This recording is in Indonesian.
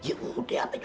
yaudah deh aman aja